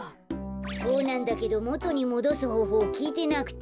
そうなんだけどもとにもどすほうほうをきいてなくて。